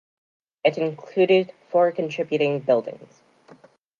It included four contributing buildings.